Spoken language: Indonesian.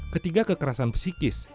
ketiga kekerasan psikis